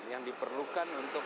yang diperlukan untuk